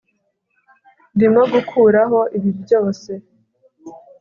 ndimo gukuraho ibi byose